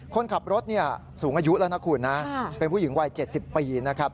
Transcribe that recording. คนขับรถสูงอายุแล้วนะคุณนะเป็นผู้หญิงวัย๗๐ปีนะครับ